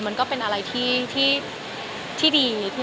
มันก็เป็นอะไรที่ดีที่น่ารักดี